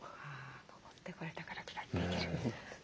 上ってこれたから下っていける。